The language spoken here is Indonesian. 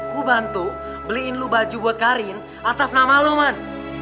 gue bantu beliin lo baju buat karin atas nama lo man